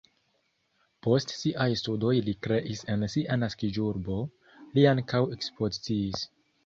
Post siaj studoj li kreis en sia naskiĝurbo, li ankaŭ ekspoziciis.